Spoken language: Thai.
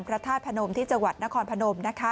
พระธาตุพนมที่จังหวัดนครพนม